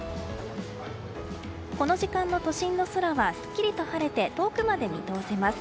この時間の都心の空はすっきりと晴れて遠くまで見通せます。